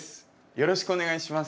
よろしくお願いします。